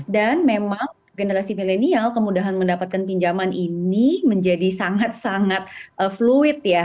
dan memang generasi milenial kemudahan mendapatkan pinjaman ini menjadi sangat sangat fluid ya